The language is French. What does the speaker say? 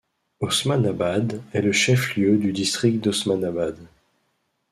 Osmanabad est le chef lieu du district d'Osmanabad.